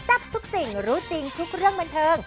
ทับทุกสิ่งรู้จริงทุกเรื่องบันเทิง